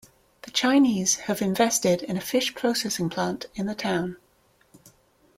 The Chinese have invested in a fish processing plant in the town.